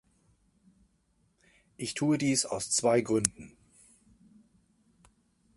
Ich tue dies aus zwei Gründen.